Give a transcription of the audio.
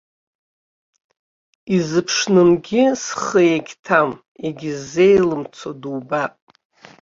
Изыԥшнынгьы зхы егьҭам, егьыззеилымцо дубап.